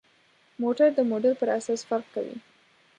موټر د موډل پر اساس فرق کوي.